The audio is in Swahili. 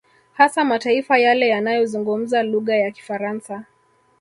Hasa mataifa yale yanayozungumza lugha ya Kifaransa